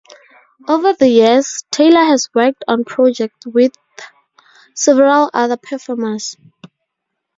Over the years, Taylor has worked on projects with several other performers.